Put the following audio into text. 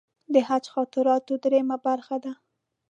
د حج خاطراتو درېیمه برخه ده.